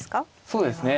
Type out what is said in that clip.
そうですね。